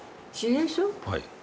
はい。